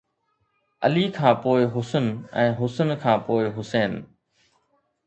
علي کان پوءِ حسن ۽ حسن کان پوءِ حسين